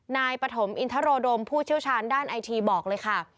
ปฐมอินทรดมผู้เชี่ยวชาญด้านไอทีบอกเลยค่ะ